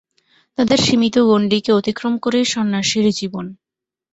তাদের সীমিত গণ্ডীকে অতিক্রম করেই সন্ন্যাসীর জীবন।